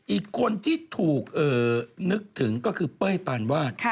อีกคนที่ถูกนึกถึงก็คือเป้ยปานวาด